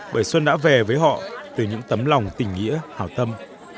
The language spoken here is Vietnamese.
bởi xuân đã về với họ từ những tấm lòng tình nghĩa hào tâm